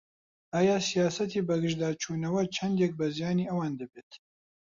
ئایا سیاسەتی بەگژداچوونەوە چەندێک بە زیانی ئەوان دەبێت؟